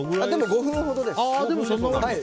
５分ほどです。